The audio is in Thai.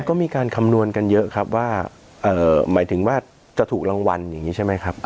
ก็มีการคำนวณกันเยอะครับว่าหมายถึงว่าจะถูกรางวัลอย่างนี้ใช่ไหมครับ